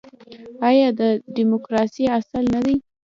آیا دا د ډیموکراسۍ اصل نه دی؟